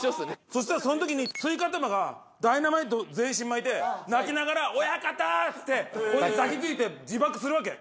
そしたらその時にスイカ頭がダイナマイトを全身に巻いて泣きながら「親方ー！」っつってこういう風に抱きついて自爆するわけ。